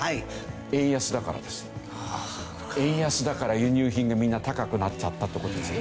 円安だから輸入品がみんな高くなっちゃったって事ですよ。